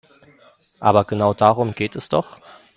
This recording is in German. Aber genau darum geht es doch.